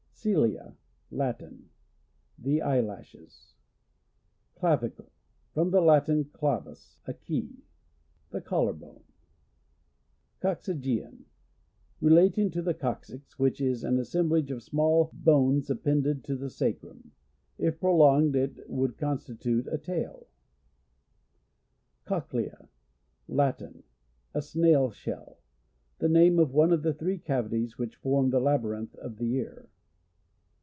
Cilia. — Latin. The eye lashes. Clavicle. — From the Latin, clavis, a key. The collar bone. Coccygian. — Relating to the coccyx, which is an assemblage of small bones appended to the sacrum : if prolonged, it would constitute a tail. Cochlea. — Latin. A snail shell. The name of one of the three cavities which form the labyrinth of the ear.